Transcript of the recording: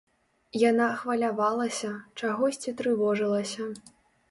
Яна хвалявалася, чагосьці трывожылася.